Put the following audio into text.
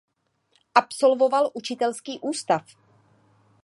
Absolvoval učitelský ústav.